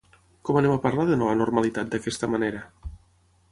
Com anem a parlar de nova normalitat d’aquesta manera?